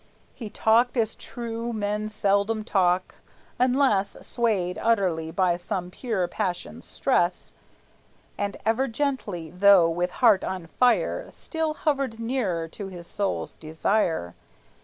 He talked as true men seldom talk, unless Swayed utterly by some pure passion's stress, And ever gently, though with heart on fire, Still hovered nearer to his soul's desire.